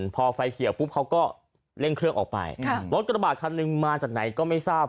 พอไฟเขียวปุ๊บเขาก็เร่งเครื่องออกไปรถกระบาดคันหนึ่งมาจากไหนก็ไม่ทราบ